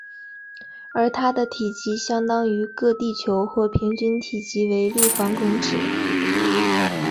而它的体积相当于个地球或平均体积为立方公尺。